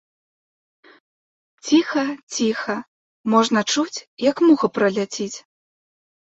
Ціха, ціха, можна чуць, як муха праляціць.